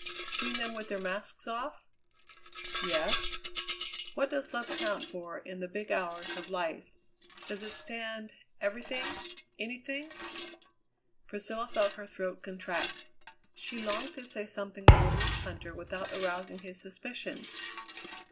"Seen them with their masks off?" "Yes." "What does love count for in the big hours of life? Does it stand everything, anything?" Priscilla felt her throat contract. She longed to say something that would reach Huntter without arousing his suspicions.